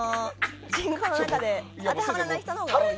人口の中で当てはまらない人が多い。